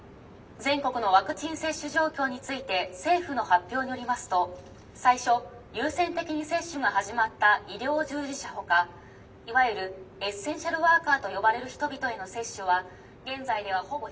全国のワクチン接種状況について政府の発表によりますと最初優先的に接種が始まった医療従事者ほかいわゆるエッセンシャルワーカーと呼ばれる人々への接種は現在ではほぼ１００％」。